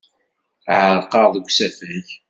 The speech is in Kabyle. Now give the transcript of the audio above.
Ɛerqeɣ deg usafag.